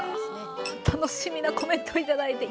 楽しみなコメントを頂いて。